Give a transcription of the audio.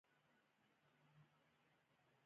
موخه د سالمې او بې طرفه ادارې جوړول دي.